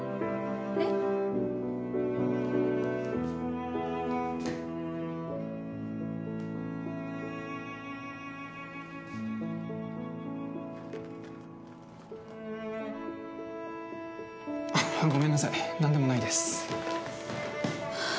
えっ？ごめんなさい、何でもないです。